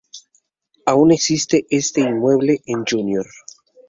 Aún existe este inmueble en Jr.